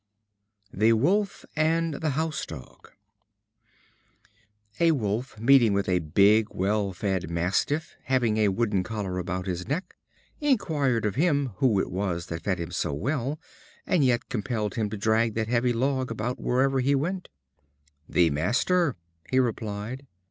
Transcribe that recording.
The Wolf and the House dog. A Wolf, meeting with a big, well fed Mastiff, having a wooden collar about his neck, inquired of him who it was that fed him so well, and yet compelled him to drag that heavy log about wherever he went. "The master," he replied.